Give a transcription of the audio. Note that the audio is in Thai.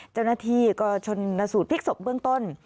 เจ้าหน้าที่ก็ชนสูตรพลิกศพเบื้องต้น